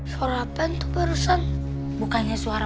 suara pen tuh barusan bukannya suara